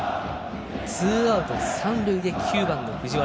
ツーアウト、三塁で９番の藤原。